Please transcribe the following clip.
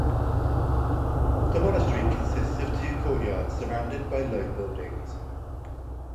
The monastery consists of two courtyards surrounded by low buildings.